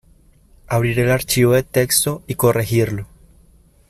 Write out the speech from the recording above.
Abrir el archivo de texto y corregirlo.